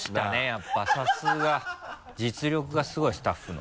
やっぱさすが実力がすごいスタッフの。